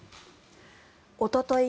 おととい